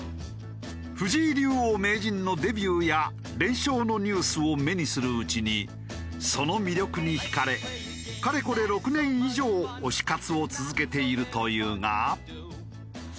藤井竜王・名人のデビューや連勝のニュースを目にするうちにその魅力に引かれかれこれ６年以上推し活を続けているというが。